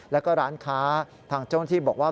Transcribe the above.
แล้วก็ร้านค้าทางเจ้าหน้าที่บอกว่า